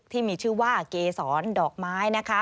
ที่มีชื่อว่าเกษรดอกไม้นะคะ